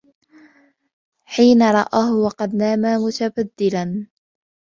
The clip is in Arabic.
حِينَ رَآهُ وَقَدْ نَامَ مُتَبَذِّلًا